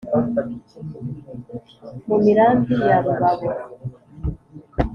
mu mirambi ya rubabo